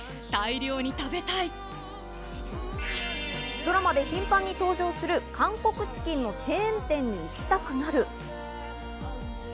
ドラマで頻繁に登場する韓国チキンのチェーン店に行きたくなる。